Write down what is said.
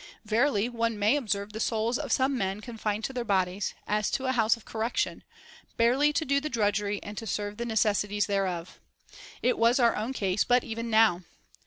Verily one may observe the souls of some men confined to their bodies, as to a house of correction, barely to do the drudgery and to serve the necessities thereof. It was our own case but even now.